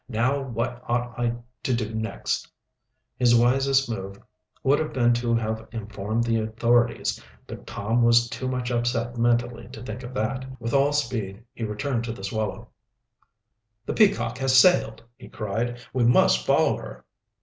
Now what ought I to do next?" His wisest move would have been to have informed the authorities, but Tom was too much upset mentally to think of that. With all speed he returned to the Swallow. "The Peacock has sailed!" he cried. "We must follow her!"